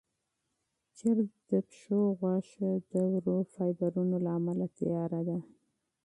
چرګ د پښو غوښه د ورو فایبرونو له امله تیاره ده.